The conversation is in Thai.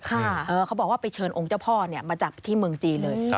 เขาบอกว่าไปเชิญองค์เจ้าพ่อมาจากที่เมืองจีนเลย